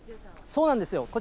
そうなんですよ。